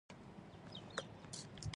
هغوی به څنګه هیات ته د تېرېدلو اجازه ورکړي.